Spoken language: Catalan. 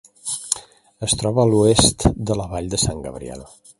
Es troba a l'oest de la vall de Sant Gabriel.